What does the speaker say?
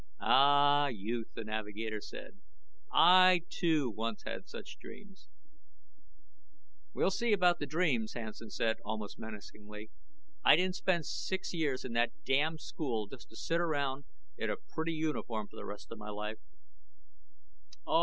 "Ah, youth!" the navigator said, "I, too, once had such dreams ""We'll see about the dreams," Hansen said, almost menacingly, "I didn't spend six years in that damn school just to sit around in a pretty uniform for the rest of my life."